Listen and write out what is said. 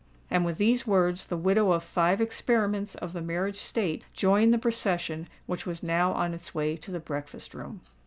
And with these words the widow of five experiments of the marriage state joined the procession which was now on its way to the breakfast room.